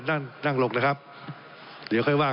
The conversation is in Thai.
รับหลักการเจ้า